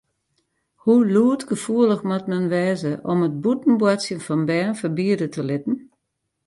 Hoe lûdgefoelich moat men wêze om it bûten boartsjen fan bern ferbiede te litten?